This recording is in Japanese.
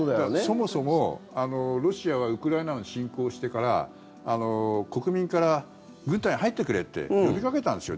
そもそもロシアはウクライナに侵攻してから国民から軍隊に入ってくれって呼びかけたんですよ。